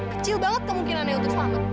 kecil banget kemungkinannya untuk selamat